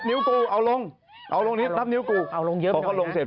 นิ้วกูเอาลงเอาลงนิ้วพอเขาลงเสร็จ